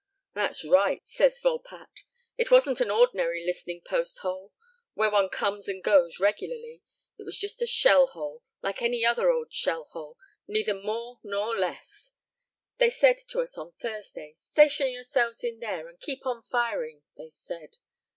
"That's right," says Volpatte. "It wasn't an ordinary listening post hole, where one comes and goes regularly. It was just a shell hole, like any other old shell hole, neither more nor less. They said to us on Thursday, 'Station yourselves in there and keep on firing,' they said.